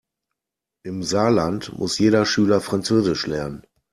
Im Saarland muss jeder Schüler französisch lernen.